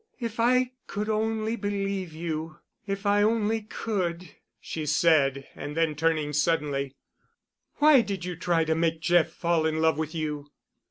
"If I could only believe you—if I only could," she said, and then, turning suddenly, "Why did you try to make Jeff fall in love with you?"